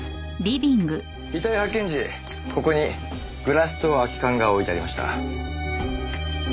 遺体発見時ここにグラスと空き缶が置いてありました。